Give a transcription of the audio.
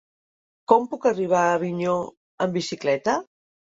Com puc arribar a Avinyó amb bicicleta?